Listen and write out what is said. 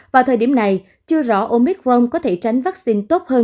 vào thời điểm này chưa rõ omicron có thể tránh vaccine tốt hơn